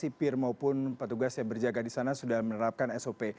sipir maupun petugas yang berjaga di sana sudah menerapkan sop